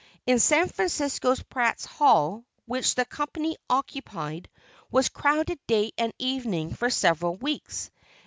In San Francisco Pratt's Hall, which the company occupied, was crowded day and evening for several weeks.